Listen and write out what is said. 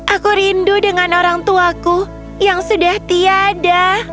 aku rindu dengan orang tuaku yang sudah tiada